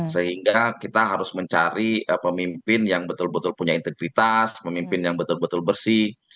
sehingga kita harus mencari pemimpin yang betul betul punya integritas pemimpin yang betul betul bersih